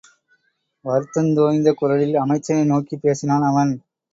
வருத்தந்தோய்த குரலில் அமைச்சனை நோக்கிப் பேசினான் அவன்.